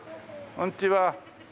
こんにちは。